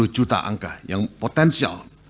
sepuluh juta angka yang potensial